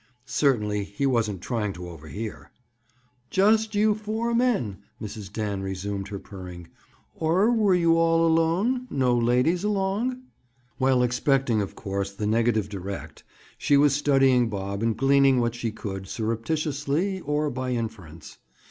Certainly he wasn't trying to overhear. "Just you four men!" Mrs. Dan resumed her purring. "Or were you all alone? No ladies along?" While expecting, of course, the negative direct, she was studying Bob and gleaning what she could, surreptitiously, or by inference.